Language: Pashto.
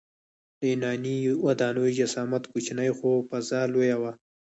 د یوناني ودانیو جسامت کوچنی خو فضا لویه وه.